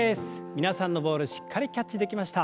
皆さんのボールしっかりキャッチできました。